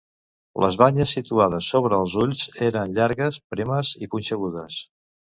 Les banyes situades sobre els ulls eren llargues, primes, i punxegudes.